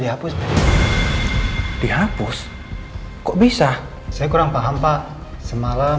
dihapus dihapus kok bisa saya kurang paham pak semalam